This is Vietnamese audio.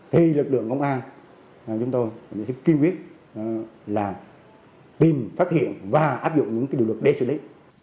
thì lực lượng công an chúng tôi sẽ kiên quyết là tìm phát hiện và áp dụng những điều luật để xử lý